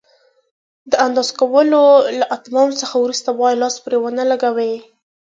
د اندازه کولو له اتمام څخه وروسته باید لاس پرې ونه لګوئ.